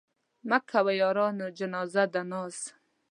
مه کوئ يارانو جنازه د ناز